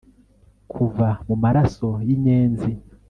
kuva mu maraso y'inyenzi